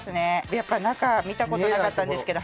やっぱり中見た事なかったんですけど。